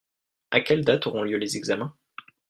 À quelle date auront lieu les examens ?